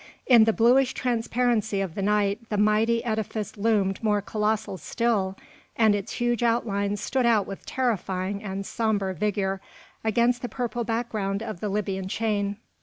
In the bluish transparency of the night the mighty edifice loomed more colossal still, and its huge outlines stood out with terrifying and sombre vigour against the purple background of the Libyan chain.